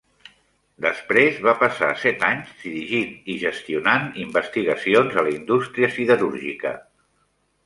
Després va passar set anys dirigint i gestionant investigacions a la indústria siderúrgica.